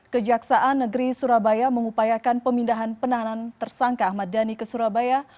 kejaksaan negeri surabaya mengupayakan pemindahan penahanan tersangka ahmad dhani ke surabaya